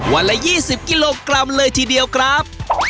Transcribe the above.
วันละ๒๐กิโลกรัมเลยทีเดียวครับ